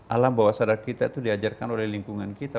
alam bahwa sadar kita itu diajarkan oleh lingkungan kita